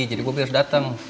jadi bopi harus datang